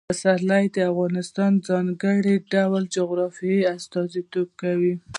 پسرلی د افغانستان د ځانګړي ډول جغرافیه استازیتوب کوي.